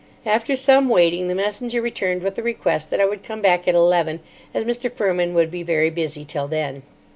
After some waiting the messenger returned with the request that I would come back at eleven, as Mr. Fermin would be very busy till then.